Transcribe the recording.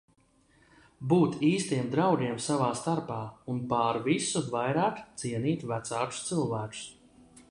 Būt īstiem draugiem savā starpā, un pār visu vairāk, cienīt vecākus cilvēkus.